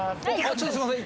ちょっとすいません